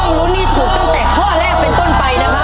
ลุ้นให้ถูกตั้งแต่ข้อแรกเป็นต้นไปนะครับ